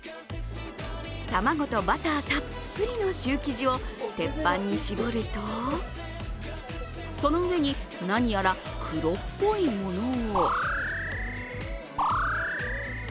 卵とバターたっぷりのシュー生地を鉄板に絞るとその上に何やら黒っぽいものを。